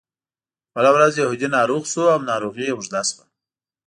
بله ورځ یهودي ناروغ شو او ناروغي یې اوږده شوه.